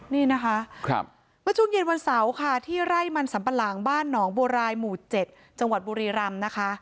นี่นะคะเมื่อช่วงเย็นวันเสาร์ค่ะที่ไร่มันสัมปะหลังบ้านหนองบัวรายหมู่๗จังหวัดบุรีรำนะคะ